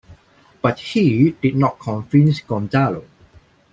But he did not convince Gonzalo.